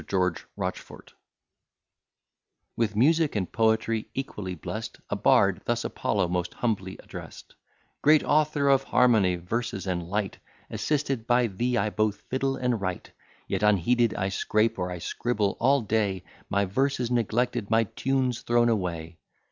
GEORGE ROCHFORT With music and poetry equally blest, A bard thus Apollo most humbly addrest: "Great author of harmony, verses, and light! Assisted by thee, I both fiddle and write. Yet unheeded I scrape, or I scribble all day, My verse is neglected, my tunes thrown away.